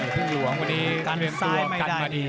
ถึงหลวงตอนนี้กันเลยตัวกันมาดี